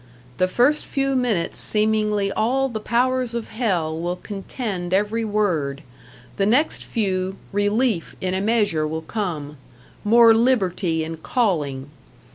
The first few minutes seemingly all the powers of hell will contend every word, the next few, relief in a measure will come, more liberty in calling.